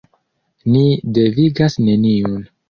Ni devigas neniun.